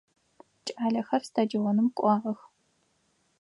Кӏалэхэр стадионым кӏуагъэх.